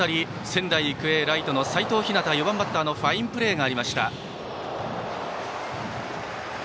仙台育英ライトの齋藤陽、４番バッターのファインプレーがありました。